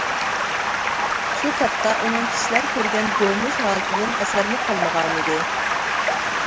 شۇ تاپتا ئۇنىڭ كىشىلەر كۆرگەن گومۇش ھالىتىدىن ئەسەرمۇ قالمىغانىدى.